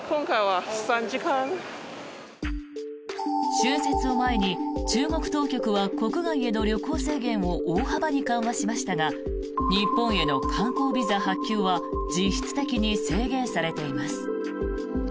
春節を前に中国当局は国外への旅行制限を大幅に緩和しましたが日本への観光ビザ発給は実質的に制限されています。